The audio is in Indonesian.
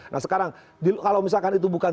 nah sekarang kalau misalkan itu bukan